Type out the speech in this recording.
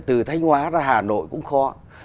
từ thanh hóa ra hà nội cũng khó